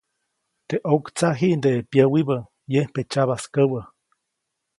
Teʼ ʼoktsaʼ jiʼndeʼe pyäwibä, yembe tsyabaskäwä.